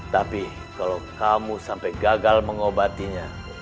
tapi kalau kamu sampai gagal mengobatinya